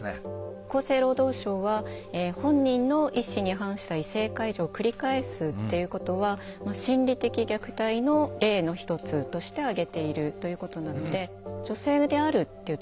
厚生労働省は本人の意思に反した異性介助を繰り返すっていうことは心理的虐待の例の一つとして挙げているということなので。